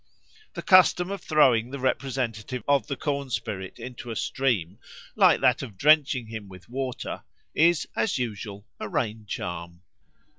The custom of throwing the representative of the corn spirit into a stream, like that of drenching him with water, is, as usual, a rain charm.